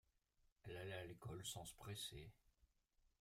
Elle allait à l’école sans se presser.